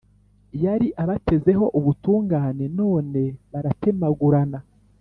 Yari abatezeho ubutungane, none baratemagurana!